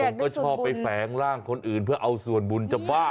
ผมก็ชอบไปแฝงร่างคนอื่นเพื่อเอาส่วนบุญจะบ้า